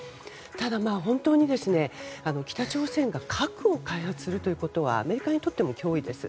ただ、本当に北朝鮮が核を開発するということはアメリカにとっても脅威です。